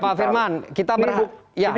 oke pak firman kita berharap